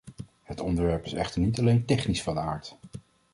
Het onderwerp is echter niet alleen technisch van aard.